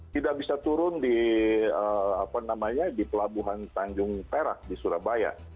tidak bisa turun di pelabuhan tanjung perak di surabaya